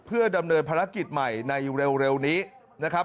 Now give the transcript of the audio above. เพื่อดำเนินภารกิจใหม่ในเร็วนี้นะครับ